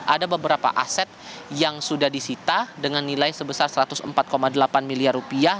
ada beberapa aset yang sudah disita dengan nilai sebesar satu ratus empat delapan miliar rupiah